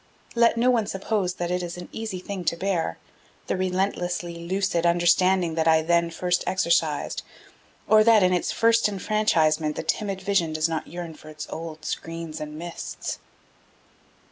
Let no one suppose that it is an easy thing to bear, the relentlessly lucid understanding that I then first exercised; or that, in its first enfranchisement, the timid vision does not yearn for its old screens and mists.